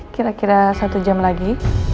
kira kira satu jam lagi